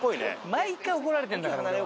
毎回怒られてんだから俺は。